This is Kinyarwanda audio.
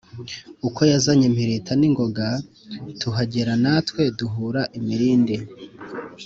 Uko yakazanye impirita n' ingoga, tuhagera na twe duhura imirindi